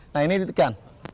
nah ini ditekan